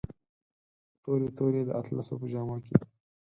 تورې، تورې د اطلسو په جامو کې